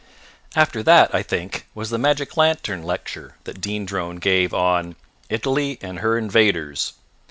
After that, I think, was the magic lantern lecture that Dean Drone gave on "Italy and her Invaders."